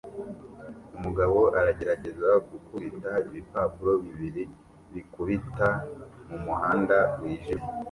Umugabo aragerageza gukubita ibipapuro bibiri bikubita mumuhanda wijimye